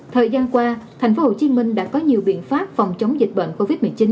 thời gian qua tp hcm đã có nhiều biện pháp phòng chống dịch bệnh covid một mươi chín